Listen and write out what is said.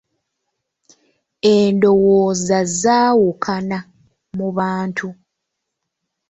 Endowooza zaawukana mu bantu.